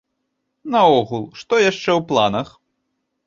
Наогул, што яшчэ ў планах?